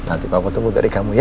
nanti papa tunggu dari kamu ya